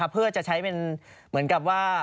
เพื่อจะใช้เป็นเหมือนกับว่า